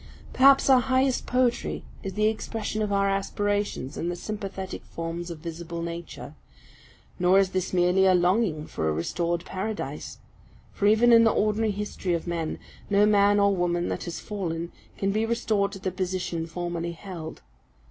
Perhaps our highest poetry is the expression of our aspirations in the sympathetic forms of visible nature. Nor is this merely a longing for a restored Paradise; for even in the ordinary history of men, no man or woman that has fallen, can be restored to the position formerly held.